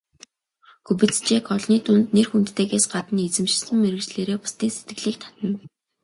Кубицчек олны дунд нэр хүндтэйгээс гадна эзэмшсэн мэргэжлээрээ бусдын сэтгэлийг татна.